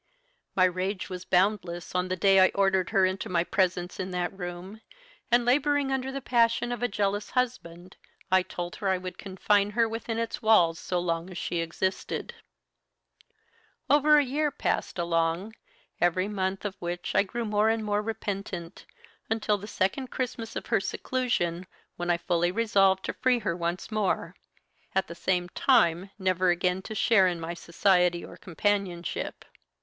"My rage was boundless on the day I ordered her into my presence in that room, and, labouring under the passion of a jealous husband, I told her I would confine her within its walls so long as she existed. "Over a year passed along, every month of which I grew more and more repentant, until the second Christmas of her seclusion, when I fully resolved to free her once more; at the same time, never again to share in my society or companionship.